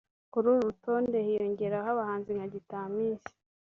Kuri uru rutonde hiyongeraho abahanzi nka Gitamisi